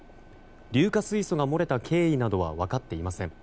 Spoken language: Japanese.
硫化水素が漏れた経緯などは分かっていません。